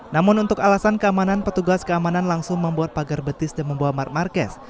namun untuk alasan keamanan petugas keamanan langsung membuat pagar betis dan membawa mark marquez